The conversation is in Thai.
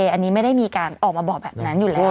อันนี้ไม่ได้มีการออกมาบอกแบบนั้นอยู่แล้ว